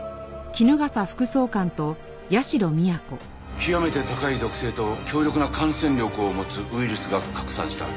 極めて高い毒性と強力な感染力を持つウイルスが拡散した。